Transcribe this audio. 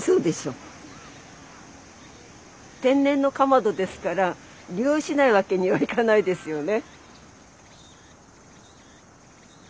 天然のかまどですから利用しないわけにはいかないですよね。